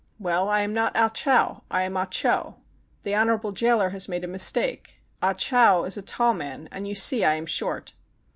" Well, I am not Ah Chow. I am Ah Cho. The honorable jailer has made a mistake. Ah Chow is a tall man, and you see I am short.'